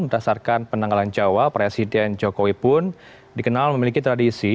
berdasarkan penanggalan jawa presiden jokowi pun dikenal memiliki tradisi